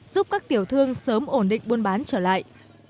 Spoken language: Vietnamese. giúp các tiểu thương sớm ổn định buôn bán trở lại